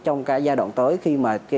trong cái giai đoạn tới khi mà